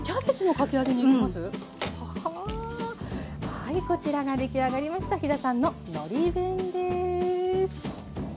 はいこちらが出来上がりました飛田さんののり弁です。